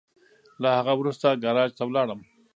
له هغه وروسته ګاراج ته ولاړم.